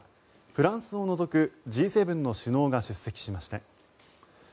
フランスを除くＧ７の首脳が出席しました。